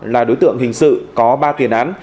là đối tượng hình sự có ba tuyển án